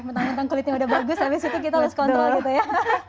mentang mentang kulitnya sudah bagus habis itu kita lost control gitu ya